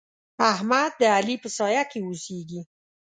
احمد د علي په سايه کې اوسېږي.